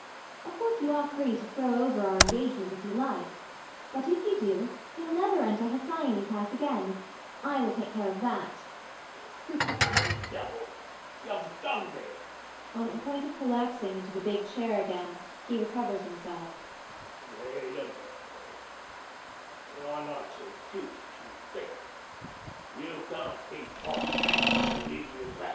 Of course you are free to throw over our engagement if you like; but, if you do, you'll never enter Hesione's house again: I will take care of that. MANGAN. You little devil, you've done me. [On the point of collapsing into the big chair again he recovers himself]. Wait a bit, though: you're not so cute as you think. You can't beat Boss Mangan as easy as that.